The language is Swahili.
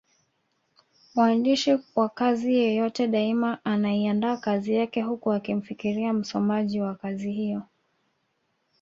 Waandishi wa kazi yeyote daima anaiandaa kazi yake huku akimfikiria msomaji wa kazi hiyo.